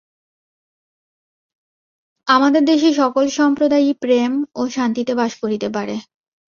আমাদের দেশে সকল সম্প্রদায়ই প্রেম ও শান্তিতে বাস করিতে পারে।